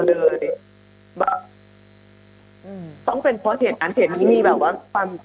ว่ะอืมต้องเป็นเพราะเท็จนั้นเถ็ดนี้มีแบบว่า